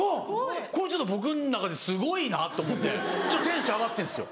これちょっと僕の中ですごいなと思ってちょっとテンション上がってるんですよ。